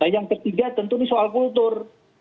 nah yang ketiga tentu soal kultur